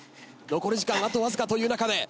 残り時間あとわずかという中で。